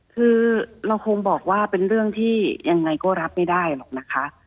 คือเราคงบอกว่าเป็นเรื่องที่ยังไงก็รับไม่ได้หรอกนะคะ